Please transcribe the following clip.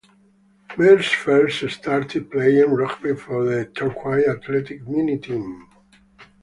Mears first started playing rugby for the Torquay Athletic mini team.